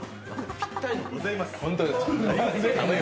ぴったりのございます！